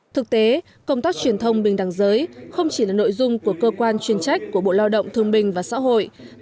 thực tế công tác truyền thông bình đẳng giới không chỉ là nội dung của cơ quan chuyên trách của bộ lao động thương bình và xã hội